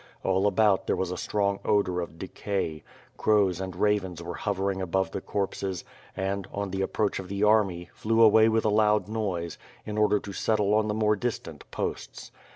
All about there was a strong odor of decay; crows and ravens were hovering above the corpses and, on the approach of the army, flew away with a loud noise, in order to settle on the more distant posts.